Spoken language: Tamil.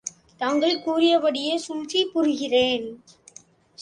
தாங்கள் கூறியபடியே சூழ்ச்சி புரிகிறேன்.